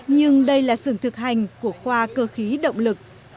nhưng đây là sưởng thực hành của khoa cơ khí động lực